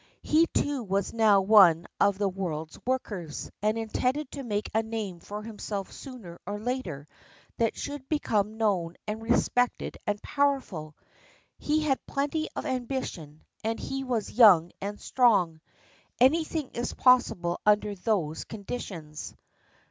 He too was now one of the world's workers, and intended to make a name for himself sooner or later that should become known and respected and powerful. He had plenty of ambition and he was young and strong. Anything is possible under those conditions.